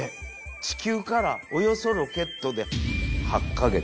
地球からおよそロケットで８か月。